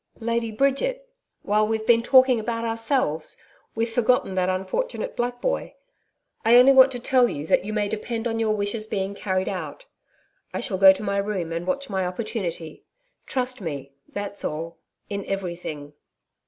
'Lady Bridget. While we've been talking about ourselves, we've forgotten that unfortunate black boy. I only want to tell you, that you may depend on your wishes being carried out. I shall go to my room and watch my opportunity. Trust me, that's all in everything.'